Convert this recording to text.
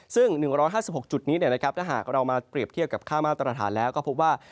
ซึ่ง๑๕๖จุดนี้ถ้าหากเรามาเปรียบเทียบกับค่ามาตรฐานแล้วก็พบว่า